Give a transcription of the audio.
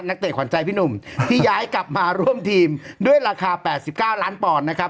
เตะขวัญใจพี่หนุ่มที่ย้ายกลับมาร่วมทีมด้วยราคา๘๙ล้านปอนด์นะครับ